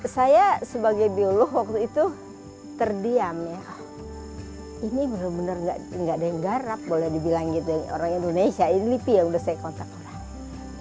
saya sebagai biolog waktu itu terdiam ya ini bener bener gak ada yang garap boleh dibilang orang indonesia ini lipi ya udah saya kontak orang